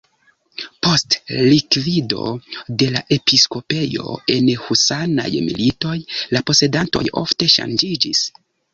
Post likvido de la episkopejo en husanaj militoj la posedantoj ofte ŝanĝiĝis.